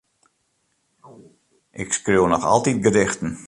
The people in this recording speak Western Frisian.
Ik skriuw noch altyd gedichten.